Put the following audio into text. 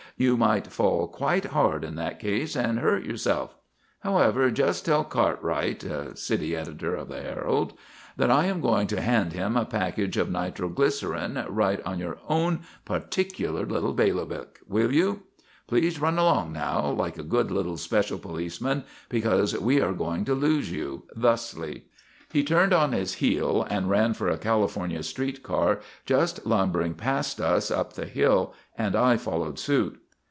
You might fall quite hard in that case and hurt yourself. However, just tell Cartwright" (city editor of the Herald) "that I am going to hand him a package of nitroglycerin right on your own particular little bailiwick, will you? Please run along now, like a good little special policeman, because we are going to lose you thusly." He turned on his heel and ran for a California Street car just lumbering past us up the hill and I followed suit.